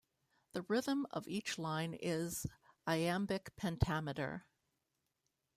The rhythm of each line is iambic pentameter.